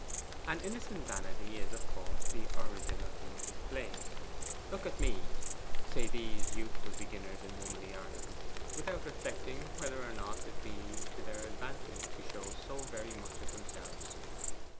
'An innocent vanity is of course the origin of these displays. "Look at me," say these youthful beginners in womanly artifice, without reflecting whether or not it be to their advantage to show so very much of themselves.